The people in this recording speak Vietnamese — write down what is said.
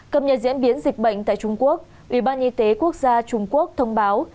cập nhật diễn biến dịch bệnh tại trung quốc ubnd quốc gia trung quốc thông báo